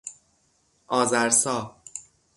آذرسا